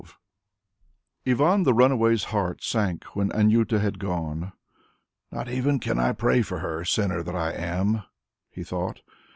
XII Ivan the Runaway's heart sank when Anjuta had gone. "Not even can I pray for her, sinner that I am!" he thought.